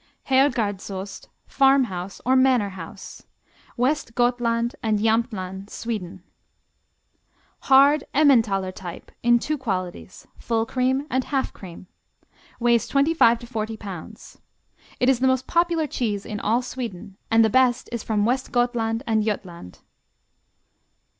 Herrgårdsost, Farm House or Manor House West Gothland and Jamtland, Sweden Hard Emmentaler type in two qualities: full cream and half cream. Weighs 25 to 40 pounds. It is the most popular cheese in all Sweden and the best is from West Gothland and Jutland.